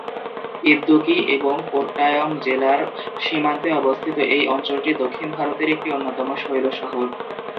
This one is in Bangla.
ইদুক্কি এবং কোট্টায়ম জেলার সীমান্তে অবস্থিত এই অঞ্চলটি দক্ষিণ ভারতের একটি অন্যতম শৈল শহর।